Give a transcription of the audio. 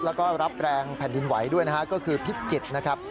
แล้วก็รับแรงแผ่นดินไหวด้วยนะครับ